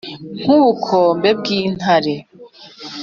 nk' ubukombe bw' intare